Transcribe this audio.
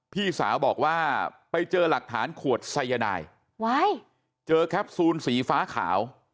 พี่สาวบอกว่าไปเจอหลักฐานขวดไซยานายเจอแคปซูลสีฟ้าขาว